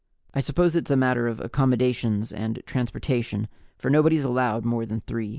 I suppose it's a matter of accommodations and transportation, for nobody's allowed more than three.